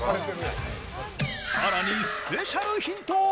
さらにスペシャルヒント。